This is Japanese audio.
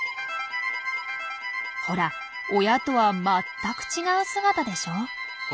ほら親とは全く違う姿でしょ？